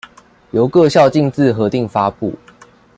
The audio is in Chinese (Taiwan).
由各校逕自核定發布